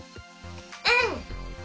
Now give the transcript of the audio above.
うん！